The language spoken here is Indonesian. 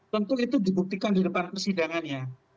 tentu itu dibuktikan di depan persidangannya